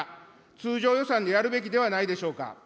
通常予算でやるべきではないでしょうか。